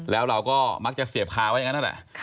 แล้วเราก็มักจะเสียบคาไว้อย่างนั้นนั่นแหละ